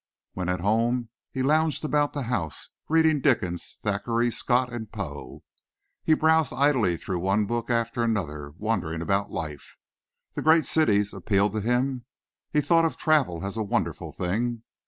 When at home he lounged about the house, reading Dickens, Thackeray, Scott and Poe. He browsed idly through one book after another, wondering about life. The great cities appealed to him. He thought of travel as a wonderful thing.